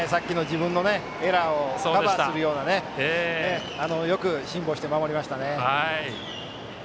自分のエラーをカバーするようなよく辛抱して守りましたね。